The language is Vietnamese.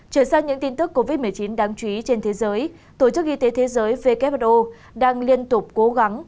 chuyển sang những tin tức covid một mươi chín đáng chú ý trên thế giới tổ chức y tế thế giới who đang liên tục cố gắng